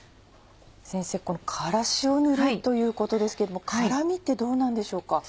先生辛子を塗るということですけども辛みってどうなんでしょうか？